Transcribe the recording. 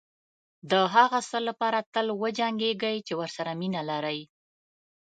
دهغه څه لپاره تل وجنګېږئ چې ورسره مینه لرئ.